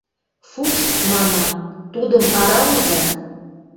— Фукс, — манам, — тудым аралыза!